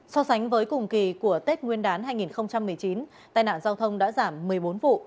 so sánh với cùng kỳ của tết nguyên đán hai nghìn một mươi chín tai nạn giao thông đã giảm một mươi bốn vụ